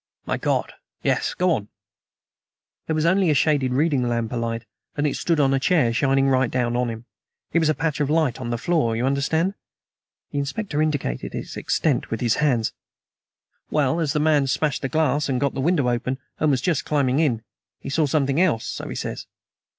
"My God! Yes. Go on." "There was only a shaded reading lamp alight, and it stood on a chair, shining right down on him; it made a patch of light on the floor, you understand." The Inspector indicated its extent with his hands. "Well, as the man smashed the glass and got the window open, and was just climbing in, he saw something else, so he says."